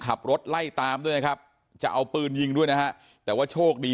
ขับรถไล่ตามด้วยนะครับจะเอาปืนยิงด้วยนะฮะแต่ว่าโชคดี